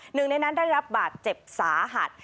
หนึ่งในนั้นได้รับบาดเจ็บสาหัส